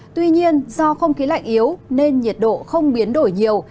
tuy nhiên do không khí lạnh yếu nên nhiệt độ không biến đổi nhiều